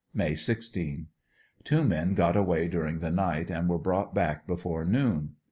May 16 — Two men got away during the night and were brought back before noon.